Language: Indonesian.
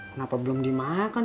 kenapa belum dimakan sama ngkong